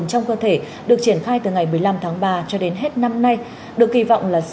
trong cái chiến dịch này luôn